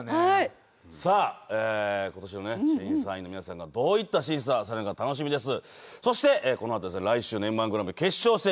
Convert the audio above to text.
さあ、ことしの審査員の皆さんがどういった審査をされるのか、楽しみです。